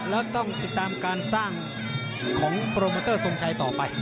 แล้วต้องติดตามการสร้างของโปรโมเตอร์ทรงชัยต่อไป